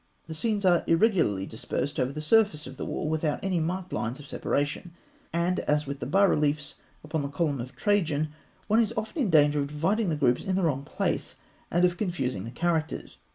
The scenes are irregularly dispersed over the surface of the wall, without any marked lines of separation, and, as with the bas reliefs upon the column of Trajan, one is often in danger of dividing the groups in the wrong place, and of confusing the characters.